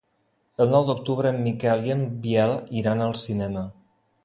El nou d'octubre en Miquel i en Biel iran al cinema.